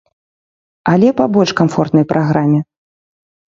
Але па больш камфортнай праграме.